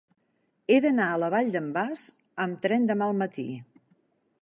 He d'anar a la Vall d'en Bas amb tren demà al matí.